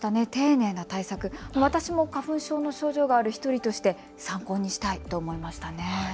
丁寧な対策、私も花粉症の症状がある１人として参考にしたいと思いました。